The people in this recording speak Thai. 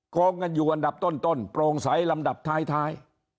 โกงกันอยู่อันดับต้นโปร่งใสลำดับท้าย